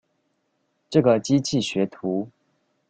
這個機器學徒